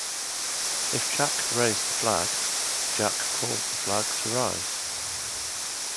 If Jack raised the flag, Jack caused the flag to rise.